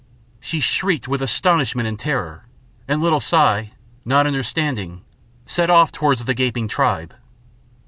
She shrieked with astonishment and terror, and little Si, not understanding, set off towards the gaping tribe.